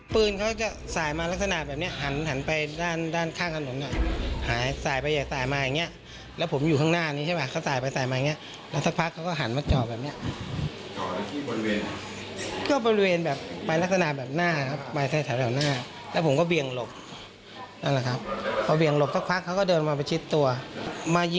ไปอย่างนี้นี่คือเขายิงเลย